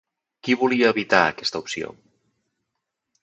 Qui volia evitar aquesta opció?